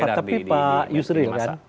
tapi pak yusril kan